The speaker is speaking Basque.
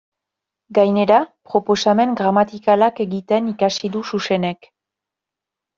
Gainera, proposamen gramatikalak egiten ikasi du Xuxenek.